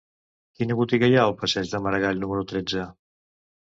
Quina botiga hi ha al passeig de Maragall número tretze?